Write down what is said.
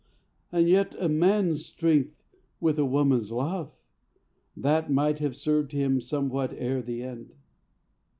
And yet, a man's strength with a woman's love... That might have served him somewhat ere the end."